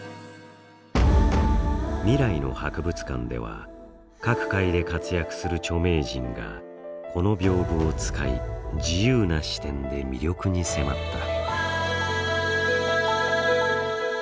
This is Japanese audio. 「未来の博物館」では各界で活躍する著名人がこの屏風を使い自由な視点で魅力に迫った。